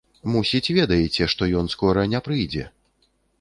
Мусіць, ведаеце, што ён скора не прыйдзе.